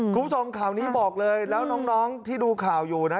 คุณผู้ชมข่าวนี้บอกเลยแล้วน้องที่ดูข่าวอยู่นะ